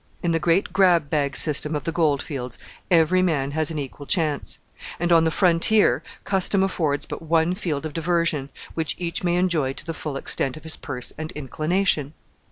In the great grab bag system of the goldfields every man has an equal chance; and on the frontier custom affords but one field of diversion, which each may enjoy to the full extent of his purse and inclination.